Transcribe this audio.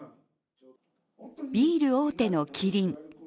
ビール大手のキリン。